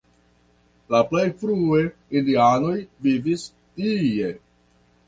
La plej frue indianoj vivis tie.